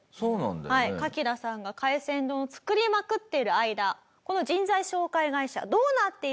カキダさんが海鮮丼を作りまくっている間この人材紹介会社どうなっているのか？